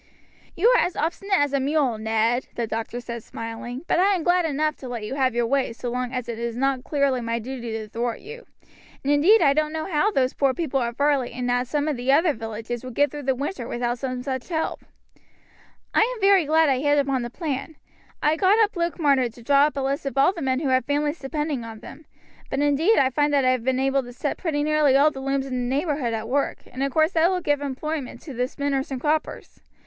"You are as obstinate as a mule, Ned," the doctor said, smiling; "but I am glad enough to let you have your way so long as it is not clearly my duty to thwart you; and indeed I don't know how those poor people at Varley and at some of the other villages would get through the winter without some such help." "I am very glad I hit upon the plan. I got Luke Marner to draw up a list of all the men who had families depending upon them; but indeed I find that I have been able to set pretty nearly all the looms in the neighborhood at work, and of course that will give employment to the spinners and croppers.